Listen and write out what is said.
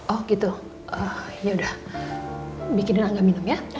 oh gitu yaudah bikin angga minum ya